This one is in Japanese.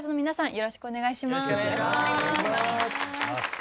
よろしくお願いします。